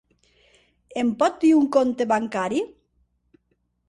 Em pot dir un compte bancari?